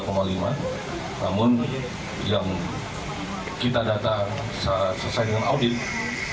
namun yang kita data sesuai dengan audit